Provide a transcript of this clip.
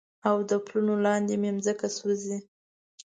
او د پلونو لاندې مې مځکه سوزي